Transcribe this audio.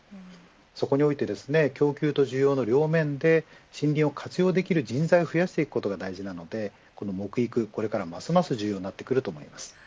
そこにおいて供給と需要の両面で森林を活用できる人材を増やしていくことが大事なので木育はこれからもますます重要になります。